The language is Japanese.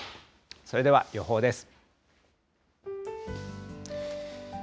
それでは予報です。